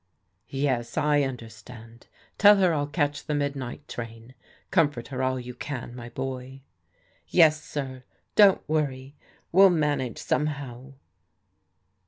"" Yes, I understand. Tell her 111 catch the midnight train. Comfort her all you can, my boy." " Yes, sir. Don't worry. We'll manage somehow."